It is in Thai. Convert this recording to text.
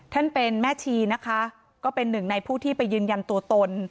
ท่านเป็นแม่ชีนะคะก็เป็นหนึ่งในผู้ที่ไปยืนยันตัวตน